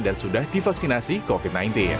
dan sudah divaksinasi covid sembilan belas